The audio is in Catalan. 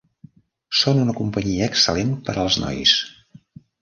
Són una companyia excel·lent per als nois.